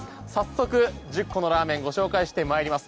早速１０個のラーメンご紹介して参ります。